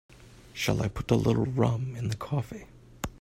Shall I put a little rum in the coffee?